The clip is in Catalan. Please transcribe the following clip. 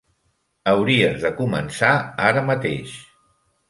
Hauries de començar ara mateix.